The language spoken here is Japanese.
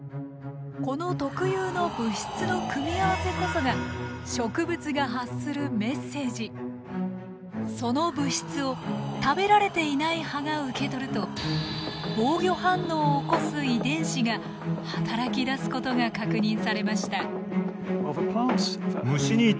この特有の物質の組み合わせこそがその物質を食べられていない葉が受け取ると防御反応を起こす遺伝子が働きだすことが確認されました。